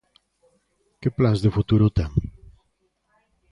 Que plans de futuro ten?